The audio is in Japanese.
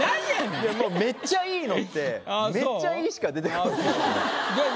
いやもうめっちゃいいのってめっちゃいいしか出てこないですね。